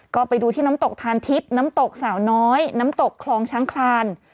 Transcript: ก็ไปดูที่น้ำตกทานทิพย์น้ำตกสาวน้อยน้ำตกคลองช้างคลาน